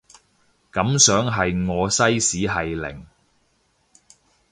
感想係我西史係零